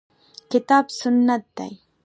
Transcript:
کتاب سنت دي.